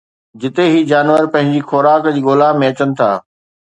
جتي هي جانور پنهنجي خوراڪ جي ڳولا ۾ اچن ٿا